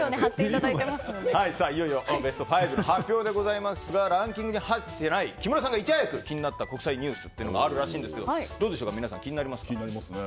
いよいよベスト５の発表ですがランキングに入ってない木村さんがいち早く気になった国際ニュースというのがあるらしいんですけどどうですか皆さん気になりますね。